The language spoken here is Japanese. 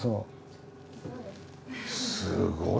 すごい。